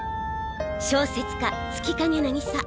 小説家月影渚。